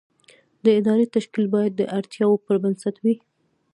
د ادارې تشکیل باید د اړتیاوو پر بنسټ وي.